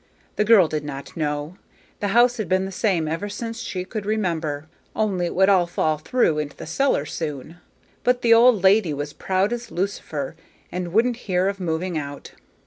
The girl did not know: the house had been the same ever since she could remember, only it would all fall through into the cellar soon. But the old lady was proud as Lucifer, and wouldn't hear of moving out.